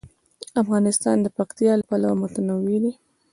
افغانستان د پکتیا له پلوه متنوع دی.